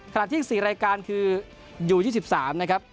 ที่อีก๔รายการคืออยู่๒๓นะครับ